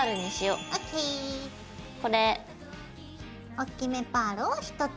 おっきめパールを１つ。